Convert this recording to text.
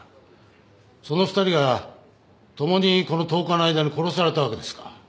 その２人が共にこの１０日の間に殺されたわけですか。